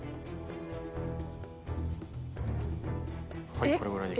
はいこれぐらいで。